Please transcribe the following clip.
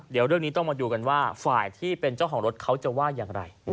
เดี๋ยวเรื่องนี้ต้องมาดูกันว่าฝ่ายที่เป็นเจ้าของรถเขาจะว่าอย่างไร